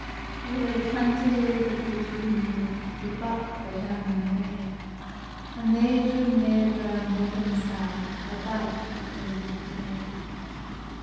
O they've hunted i the good green wood The buck but an the rae, An they drew near Brown Robin's bowr, About the close of day.